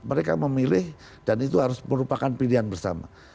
mereka memilih dan itu harus merupakan pilihan bersama